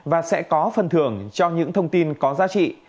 và sẽ có phần thưởng cho những thông tin có giá trị